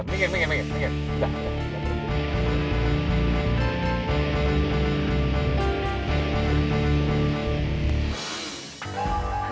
minggir minggir minggir